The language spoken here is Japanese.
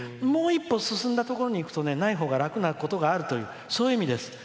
もう一歩進んだところにいくとないほうが楽なほうがあるというそういう意味です。